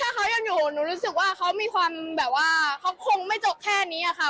ถ้าเขายังอยู่หนูรู้สึกว่าเขามีความแบบว่าเขาคงไม่จบแค่นี้อะค่ะ